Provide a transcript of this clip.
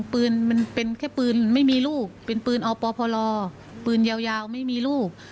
ปืนมันเป็นแค่ปืนไม่มีลูกเป็นปืนอปพลปืนยาวไม่มีลูก